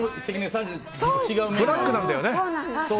ブラックなんだよね。